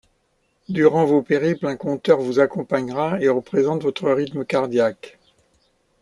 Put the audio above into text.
Durant vos périples, un compteur vous accompagnera et représente votre rythme cardiaque.